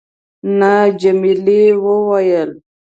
نه. جميلې وويل:.